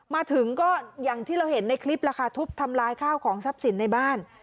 มาถึงก็อย่างที่เราเห็นในคลิปล่ะค่ะทุบทำลายข้าวของทรัพย์สินในบ้าน